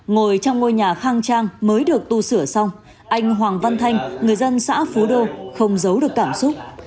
ngồi trong ngôi nhà khang trang mới được tu sửa xong anh hoàng văn thanh người dân xã phú đô không giấu được cảm xúc